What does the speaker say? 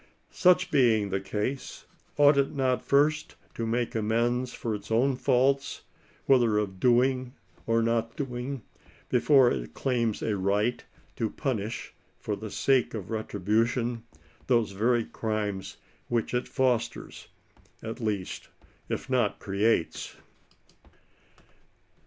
Such being the case, ought it not first to make amends for its own faults, whether of doing or not doing, before it claims a right to punish for the sake of retribtaion those very crimes which it fosters, at least, if not creates